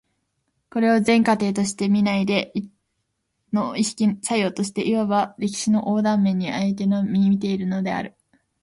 これを全過程として見ないで、一々の意識作用として、いわば歴史の横断面においてのみ見ているのである。